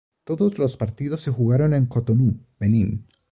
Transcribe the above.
Todos los partidos se jugaron en Cotonú, Benín.